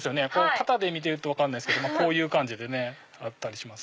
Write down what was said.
型で見てると分かんないですけどこういう感じであったりします。